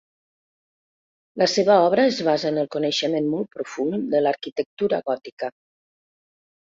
La seva obra es basa en el coneixement molt profund de l'arquitectura gòtica.